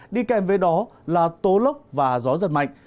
đi kèm với đó là tố lốc và gió giật mạnh